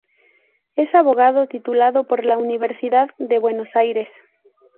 Es abogado titulado por la Universidad de Buenos Aires.